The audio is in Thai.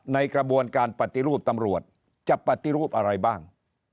ในกระบวนการปฏิรูปตำรวจจะปฏิรูปอะไรบ้าง